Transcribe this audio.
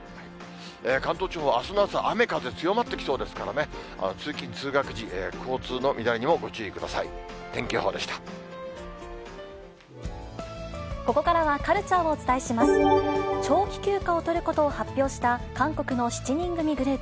関東地方、あすの朝、雨、風強まってきそうですからね、通勤・通学時、交通の乱れにもご注意ください。